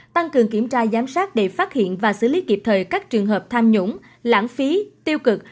tăng cường kiểm tra giám sát để phát hiện và xử lý kịp thời các trường hợp tham nhũng lãng phí tiêu cực